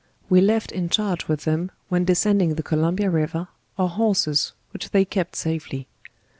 We left in charge with them when descending the Columbia river, our horses, which they kept safely.